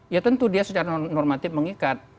ya tentu dia secara normatif mengikat